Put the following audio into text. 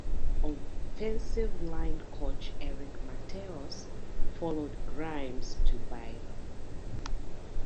Offensive line coach Eric Mateos followed Grimes to Baylor.